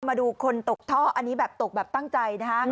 มาดูคนตกท่ออันนี้แบบตกแบบตั้งใจนะฮะ